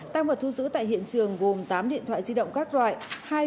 tăng vật thu giữ tại hiện trường gồm tám điện thoại di động các loại